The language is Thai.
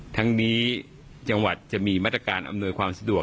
ทั้งนี้จังหวัดจะมีมาตรการอำนวยความสะดวก